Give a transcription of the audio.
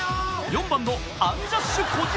［４番のアンジャッシュ児嶋］